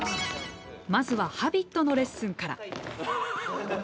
まずは「Ｈａｂｉｔ」のレッスンから。